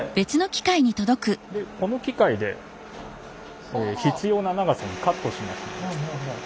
でこの機械で必要な長さにカットします。